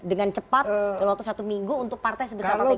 dengan cepat dalam waktu satu minggu untuk partai sebesar p tiga